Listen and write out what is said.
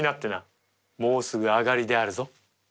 もうすぐあがりであるぞ。